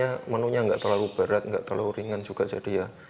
ya menunya nggak terlalu berat nggak terlalu ringan juga jadi ya